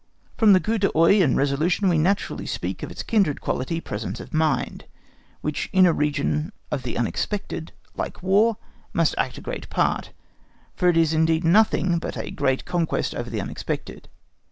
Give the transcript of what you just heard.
From the coup d'œil and resolution we are naturally to speak of its kindred quality, presence of mind, which in a region of the unexpected like War must act a great part, for it is indeed nothing but a great conquest over the unexpected.